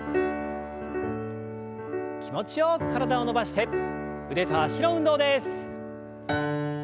気持ちよく体を伸ばして腕と脚の運動です。